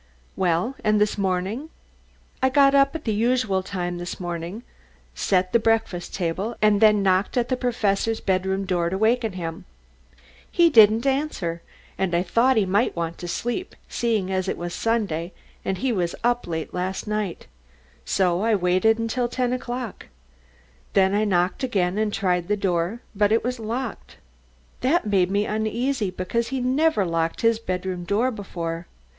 "Well, and this morning?" "I got up at the usual time this morning, set the breakfast table, and then knocked at the Professor's bedroom door to waken him. He didn't answer, and I thought he might want to sleep, seeing as it was Sunday, and he was up late last night. So I waited until ten o'clock. Then I knocked again and tried the door, but it was locked. That made me uneasy, because he never locked his bedroom door before.